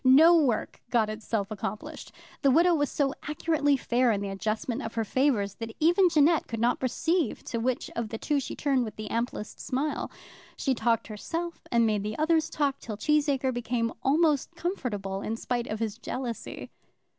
No work got itself accomplished. The widow was so accurately fair in the adjustment of her favours, that even Jeannette could not perceive to which of the two she turned with the amplest smile. She talked herself and made others talk, till Cheesacre became almost comfortable, in spite of his jealousy.